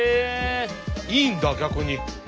いいんだ逆に。